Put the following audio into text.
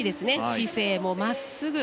姿勢も真っすぐ。